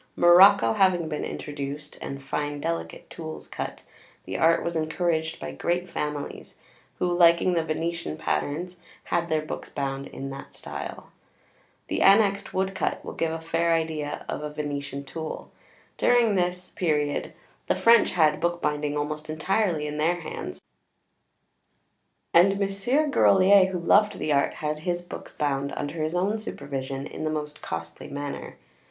Morocco having been introduced, and fine delicate tools cut, the art was encouraged by great families, who, liking the Venetian patterns, had their books bound in that style. The annexed |xiv| woodcut will give a fair idea of a Venetian tool. During this period the French had bookbinding almost entirely in their hands, and Mons. Grolier, who loved the art, had his books bound under his own supervision in the most costly manner.